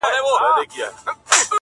مــروره در څه نـه يمـه ه”